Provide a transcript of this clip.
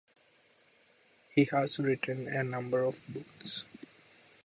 He has written a number of books.